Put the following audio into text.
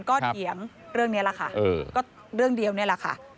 ก็เถียงเรื่องนี้แหละค่ะก็เรื่องเดียวนี่แหละค่ะ